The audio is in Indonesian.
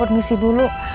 aku ingat ini